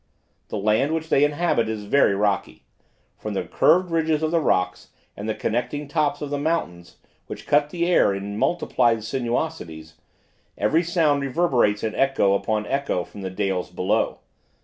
The land which they inhabit is very rocky: from the curved ridges of the rocks and the connecting tops of the mountains, which cut the air in multiplied sinuosities, every sound reverberates in echo upon echo from the dales below.